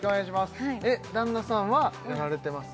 旦那さんはやられてます？